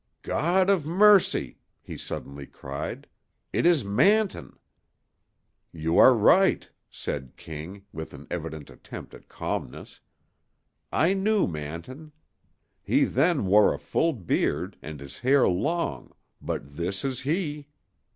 "God of mercy!" he suddenly cried, "it is Manton!" "You are right," said King, with an evident attempt at calmness: "I knew Manton. He then wore a full beard and his hair long, but this is he."